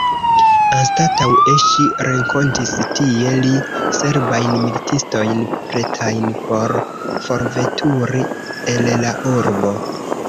Anstataŭe, ŝi renkontis tie la serbajn militistojn, pretajn por forveturi el la urbo.